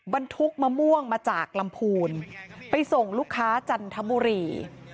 บรรทุกมะม่วงมาจากลำพูนไปส่งลูกค้าจันทบุรี